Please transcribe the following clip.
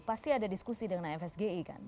pasti ada diskusi dengan fsgi kan